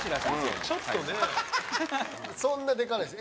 そんなでかないです。